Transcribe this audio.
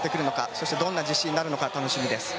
そして、どんな実施になるか楽しみです。